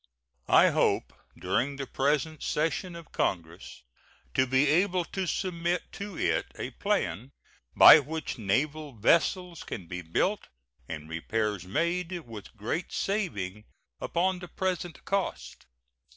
I hope during the present session of Congress to be able to submit to it a plan by which naval vessels can be built and repairs made with great saving upon the present cost.